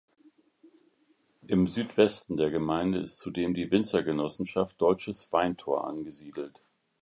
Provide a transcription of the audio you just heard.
Im Südwesten der Gemeinde ist zudem die Winzergenossenschaft Deutsches Weintor angesiedelt.